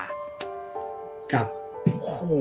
ครับ